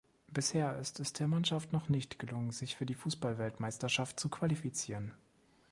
Bisher ist es der Mannschaft noch nicht gelungen, sich für die Fußball-Weltmeisterschaft zu qualifizieren.